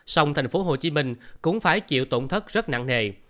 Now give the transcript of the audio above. sông thành phố hồ chí minh cũng phải chịu tổn thất rất nặng nề